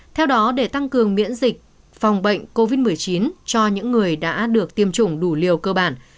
theo đó để tăng cường miễn dịch phòng bệnh covid một mươi chín cho những người đã được tiêm chủng đủ liều cơ bản